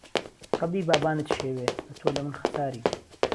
رەبی بابانت شێوێ، ئەتۆ لە من خەساری